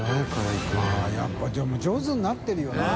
やっぱでも上手になってるよな。